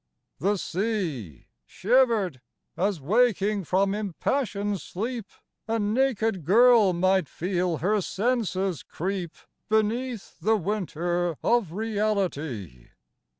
The sea Shivered, as waking from impassioned sleep A naked girl might feel her senses creep Beneath the winter of reality.